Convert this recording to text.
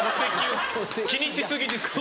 気にし過ぎですよ。